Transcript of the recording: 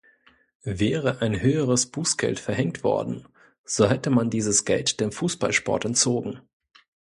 Wäre ein höheres Bußgeld verhängt worden, so hätte man dieses Geld dem Fußballsport entzogen.